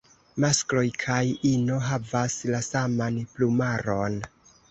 Maskloj kaj ino havas la saman plumaron.